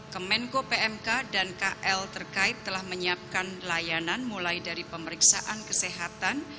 kemenko pmk dan kl terkait telah menyiapkan layanan mulai dari pemeriksaan kesehatan